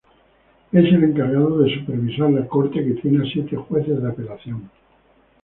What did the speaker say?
Es el encargado de supervisar la Corte que tiene a siete jueces de apelación.